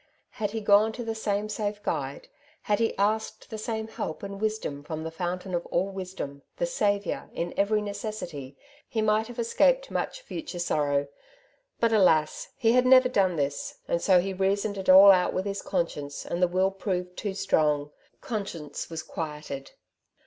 Had he gone to the same safe Guide, had he asked the same help and wisdom from the fountain of all wisdom, the Saviour in every necessity, he might have escaped much future sorrow. But alas ! he had never done this ; and so he reasoned it all out with his conscience, and the will proved too strong — conscience was quieted.